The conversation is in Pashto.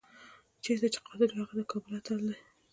چېرته چې قاتل وي هغه د کابل اتل دی.